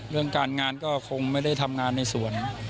เรื่องการงานก็คงไม่ได้ทำงานในสวน